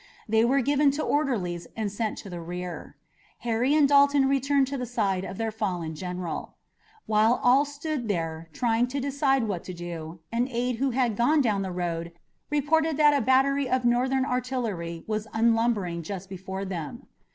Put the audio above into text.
They were given to orderlies and sent to the rear. Harry and Dalton returned to the side of their fallen general. While all stood there trying to decide what to do, an aide who had gone down the road reported that a battery of Northern artillery was unlimbering just before them.